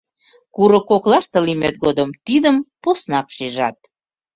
Курык коклаште лиймет годым тидым поснак шижат.